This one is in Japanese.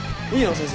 先生。